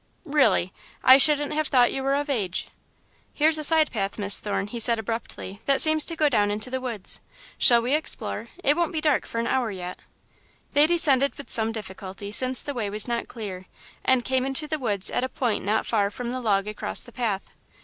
"Really? I shouldn't have thought you were of age." "Here's a side path, Miss Thorne," he said, abruptly, "that seems to go down into the woods. Shall we explore? It won't be dark for an hour yet." They descended with some difficulty, since the way was not cleat, and came into the woods at a point not far from the log across the path.